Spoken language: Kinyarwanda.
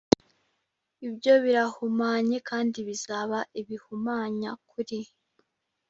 ibyo birahumanye kandi bizaba ibihumanya kuri